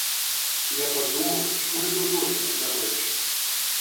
І я падумаў, што гэта зоркі, насамрэч.